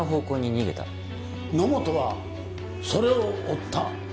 野本はそれを追った。